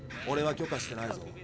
オレは許可してないぞ。